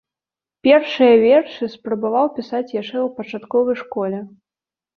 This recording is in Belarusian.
Першыя вершы спрабаваў пісаць яшчэ ў пачатковай школе.